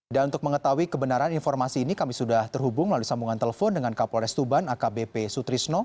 dan untuk mengetahui kebenaran informasi ini kami sudah terhubung melalui sambungan telepon dengan kapolres tuban akbp sutrisno